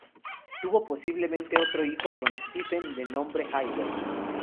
Tuvo posiblemente otro hijo con Stephen, de nombre Hywel.